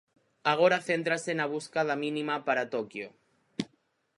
Agora céntrase na busca da mínima para Toquio.